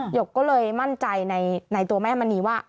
หกก็เลยมั่นใจในตัวแม่มณีว่า